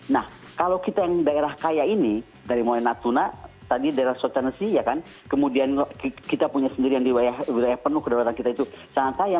nah kalau kita yang daerah kaya ini dari mulai natuna tadi daerah sultanasi ya kan kemudian kita punya sendiri yang di wilayah penuh kedaulatan kita itu sangat sayang